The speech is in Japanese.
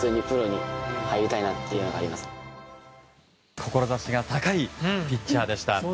志が高いピッチャーでした。